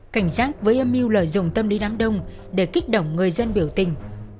cảnh giác với âm mưu lợi dụng tâm lý đám đông để kích động người dân biểu tình